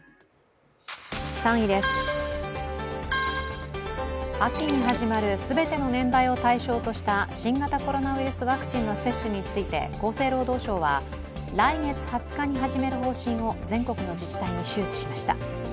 ３位です、秋に始まる全ての年代を対象にした新型コロナウイルスワクチンの接種について厚生労働省は来月２０日に始める方針を全国の自治体に周知しました。